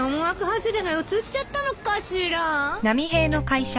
外れがうつっちゃったのかしら。